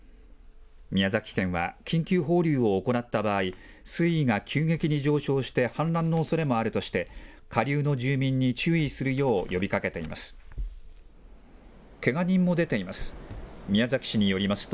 宮崎県は緊急放流を行った場合、水位が急激に上昇して氾濫のおそれもあるとして、下流の住民に注意するよう呼びかけています。